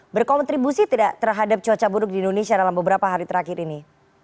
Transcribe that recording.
berkontribusi tidak terhadap cuaca buruk di indonesia dalam beberapa hari terakhir ini